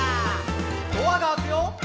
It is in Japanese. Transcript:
「ドアが開くよ」